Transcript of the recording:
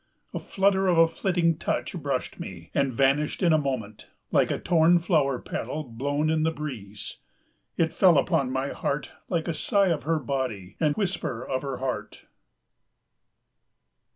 A flutter of a flitting touch brushed me and vanished in a moment, like a torn flower petal blown in the breeze. It fell upon my heart like a sigh of her body and whisper of her heart.